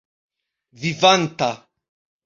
vivanta